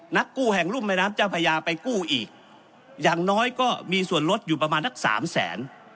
นักกู้แห่งรุ่มแม่น้ำเจ้าพญาไปกู้อีกอย่างน้อยก็มีส่วนลดอยู่ประมาณนักสามแสน